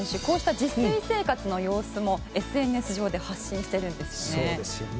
自炊生活の様子もＳＮＳ上で発信してるんですね。